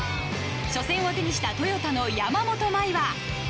初戦を手にしたトヨタの山本麻衣は。